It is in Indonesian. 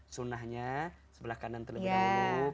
sunnahnya sebelah kanan terlebih dahulu